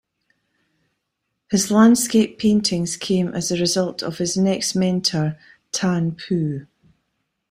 His landscape paintings came as a result of his next mentor Tan Pu.